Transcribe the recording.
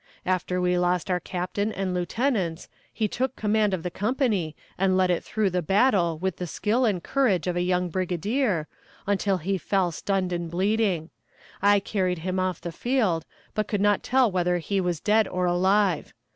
After we lost our captain and lieutenants he took command of the company, and led it through the battle with the skill and courage of a young brigadier, until he fell stunned and bleeding. I carried him off the field, but could not tell whether he was dead or alive.